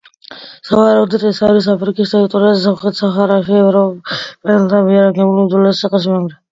სავარაუდოდ, ეს არის აფრიკის ტერიტორიაზე, სამხრეთ საჰარაში ევროპელთა მიერ აგებული უძველესი ციხესიმაგრე.